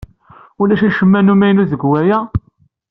Ulac acemma n umaynut deg waya.